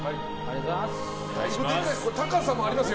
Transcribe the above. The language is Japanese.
高さもありますよ。